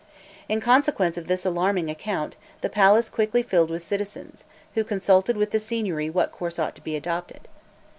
In consequence of this alarming account, the palace as quickly filled with citizens, who consulted with the Signory what course ought to be adopted.